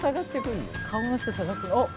顔の人探すあっ！